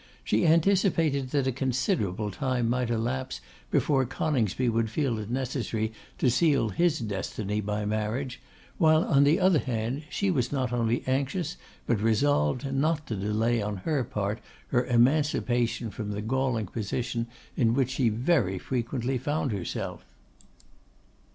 She anticipated that a considerable time might elapse before Coningsby would feel it necessary to seal his destiny by marriage, while, on the other hand, she was not only anxious, but resolved, not to delay on her part her emancipation from the galling position in which she very frequently found herself.